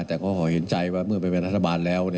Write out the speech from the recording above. แต่เขาเห็นใจว่าเมื่อเป็นบรรษบาลแล้ว